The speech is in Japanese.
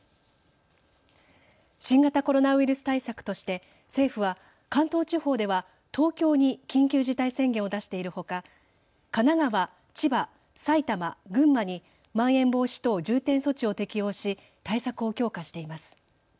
新型コロナウイルス対策として政府は関東地方では東京に緊急事態宣言を出しているほか神奈川、千葉、埼玉、群馬にまん延防止等重点措置を適用し対策を強化しています。